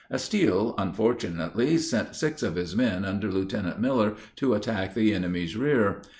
Estill, unfortunately, sent six of his men under Lieutenant Miller, to attack the enemy's rear.